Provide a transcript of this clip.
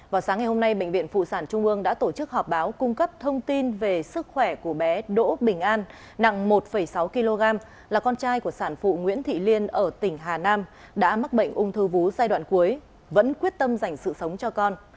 vào sáng ngày hôm nay bệnh viện phụ sản trung ương đã tổ chức họp báo cung cấp thông tin về sức khỏe của bé đỗ bình an nặng một sáu kg là con trai của sản phụ nguyễn thị liên ở tỉnh hà nam đã mắc bệnh ung thư vú giai đoạn cuối vẫn quyết tâm dành sự sống cho con